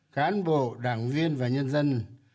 cán bộ đảng viên và nhân dân